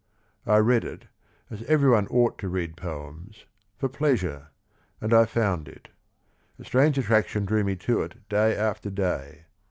I read it, as every one ought to read poems, for pleasure, and I found it. A strange attraction drew me to it day after day.